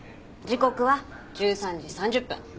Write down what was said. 時刻は１３時３０分。